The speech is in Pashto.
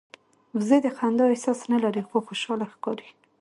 وزې د خندا احساس نه لري خو خوشاله ښکاري